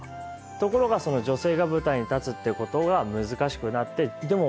ところが女性が舞台に立つっていうことが難しくなって。